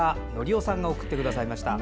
夫さんが送ってくださいました。